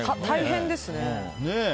大変ですね。